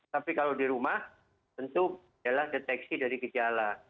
tapi kalau di rumah tentu adalah deteksi dari gejala